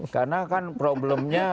karena kan problemnya